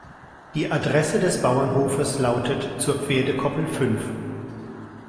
Die Adresse des Bauernhofes lautet zur Pferdekoppel fünf.